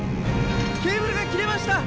ケーブルが切れました！